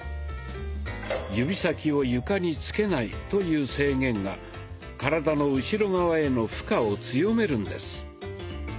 「指先を床に着けない」という制限が体の後ろ側への負荷を強めるんです。